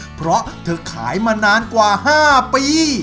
เพราะเธอขายมานานกว่า๕ปี